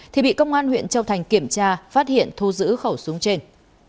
thì bị công an huyện châu thành kiểm tra phát hiện thu giữ khẩu súng trên